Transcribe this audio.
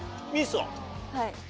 はい。